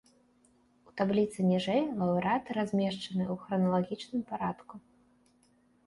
У табліцы ніжэй лаўрэаты размешчаны ў храналагічным парадку.